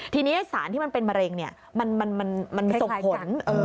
ทีนี้สารที่มันเป็นมะเร็งมันส่งผล